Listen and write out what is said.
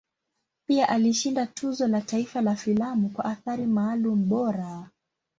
Pia alishinda Tuzo la Taifa la Filamu kwa Athari Maalum Bora.